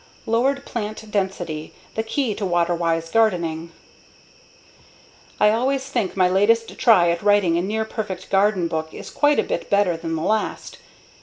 Lowered Plant Density: The Key to Water Wise Gardening I always think my latest try at writing a near perfect garden book is quite a bit better than the last.